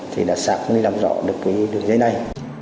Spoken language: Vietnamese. thì đã xác minh làm rõ được cái đường dây này